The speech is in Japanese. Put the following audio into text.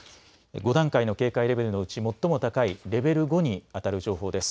５段階の警戒レベルのうち最も高いレベル５に当たる情報です。